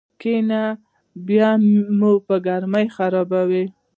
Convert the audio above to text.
کنه بیا مو ګرمي خرابوي.